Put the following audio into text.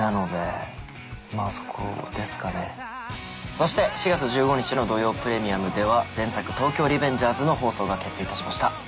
そして４月１５日の『土曜プレミアム』では前作『東京リベンジャーズ』の放送が決定いたしました。